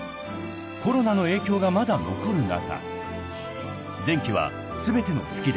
コロナの影響がまだ残る中］